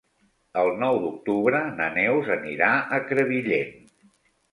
El nou d'octubre na Neus anirà a Crevillent.